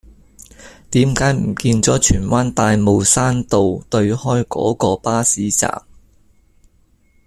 點解唔見左荃灣大帽山道對開嗰個巴士站